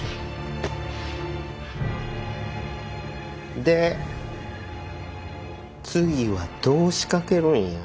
で次はどう仕掛けるんや。